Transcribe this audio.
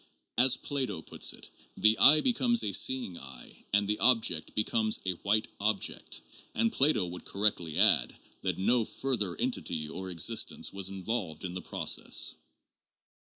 As Plato puts it, the eye becomes a seeing eye and the object becomes a white object; and Plato would cor rectly add that no further entity or existence was involved in the process.